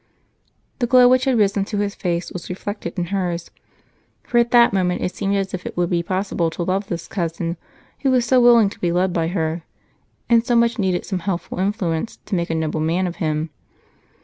The glow which had risen to his face was reflected in hers, for at that moment it seemed as if it would be possible to love this cousin who was so willing to be led by her and so much needed some helpful influence to make a noble man of him.